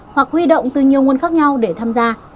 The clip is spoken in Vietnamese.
hoặc huy động từ nhiều nguồn khác nhau để tham gia